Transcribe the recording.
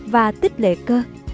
và tích lệ cơ